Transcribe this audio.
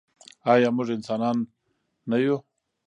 آیا موږ انسانان نه یو؟